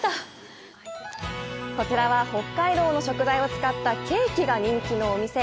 こちらは、北海道の食材を使ったケーキが人気のお店。